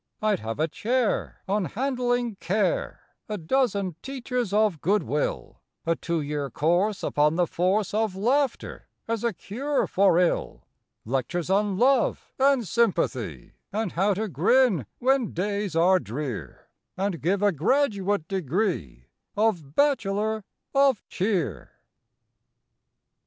I d have a Chair On Handling Care, A dozen Teachers of Good Will; A two year course Upon the Force Of Laughter as a Cure for 111 Lectures on Love, and Sympathy, And How to Grin When Days Are Drear, And give a graduate degree Of Bachelor of Cheer.